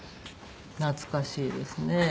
懐かしいですね。